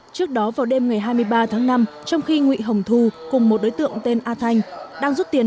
trước đó vào đêm ngày hai mươi ba tháng năm trong khi nguy hồng thu cùng một đối tượng tên a thanh đang rút tiền